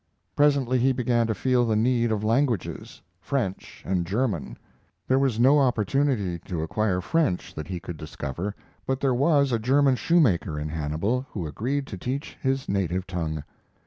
Presently he began to feel the need of languages, French and German. There was no opportunity to acquire French, that he could discover, but there was a German shoemaker in Hannibal who agreed to teach his native tongue.